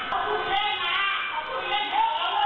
พี่พี่คุณรักกันอยู่ที่นี่ไหม